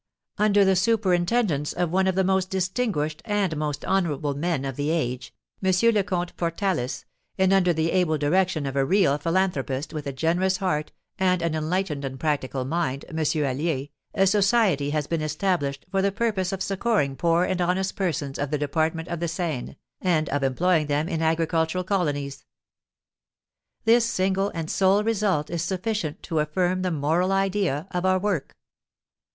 Under the superintendence of one of the most distinguished and most honourable men of the age, M. le Comte Portalis, and under the able direction of a real philanthropist with a generous heart and an enlightened and practical mind, M. Allier, a society has been established for the purpose of succouring poor and honest persons of the Department of the Seine, and of employing them in agricultural colonies. This single and sole result is sufficient to affirm the moral idea of our work.